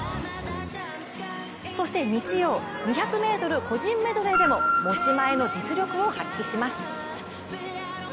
そして日曜、２００ｍ個人メドレーでも持ち前の実力を発揮します。